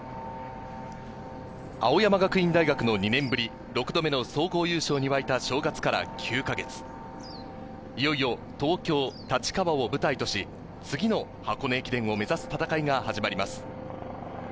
青山学院大学の２年ぶり６度目の総合優勝に沸いた正月から９か月、いよいよ、東京・立川を舞台とし、次の箱根駅伝を目指す戦いが始まります。